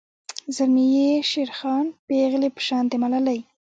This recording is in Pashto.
زلمي یی شیرخان پیغلۍ په شان د ملالۍ